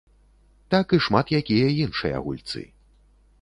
Так і шмат якія іншыя гульцы.